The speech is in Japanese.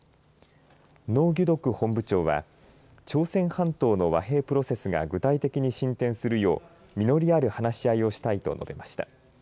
ノ・ギュドク本部長は朝鮮半島の和平プロセスが具体的に進展するよう実りある話し合いをしたいと述べました。